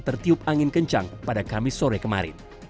tertiup angin kencang pada kamis sore kemarin